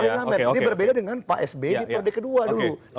untuk seorang incumbent ini berbeda dengan pak sb di perlengkapan kedua dulu